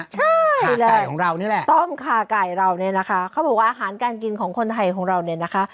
ใช่ที่แรกของเรานี่แหละต้องค่ะไก่เราเนี่ยนะคะเขาบอกว่าอาหารการกินของคนไทยของเราเนี่ยนะคะ